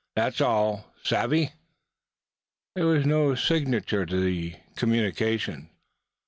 That's awl. Savvy?" There was no signature to the communication.